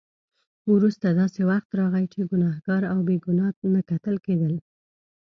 وروسته داسې وخت راغی چې ګناهګار او بې ګناه نه کتل کېدل.